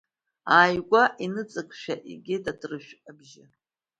Ааигәа иныҵакшәа игеит атрышә бжьы.